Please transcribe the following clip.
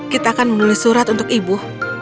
kita akan menulis surat untuk ibu